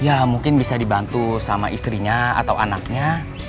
ya mungkin bisa dibantu sama istrinya atau anaknya